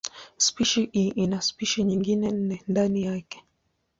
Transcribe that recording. Spishi hii ina spishi nyingine nne ndani yake.